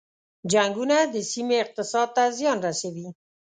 جنګونه د سیمې اقتصاد ته زیان رسوي.